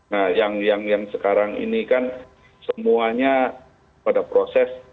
nah yang sekarang ini kan semuanya pada proses